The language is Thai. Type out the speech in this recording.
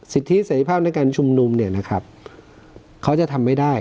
สิทธิเสร็จภาพในการชุมนุมเนี่ยนะครับเขาจะทำไม่ได้